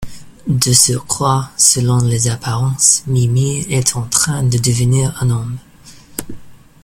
De surcroît, selon les apparences, Mille Milles est en train de devenir un homme.